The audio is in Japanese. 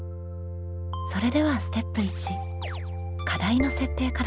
それではステップ１課題の設定からスタート。